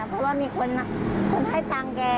เพราะว่ามีคนให้ตังค์แก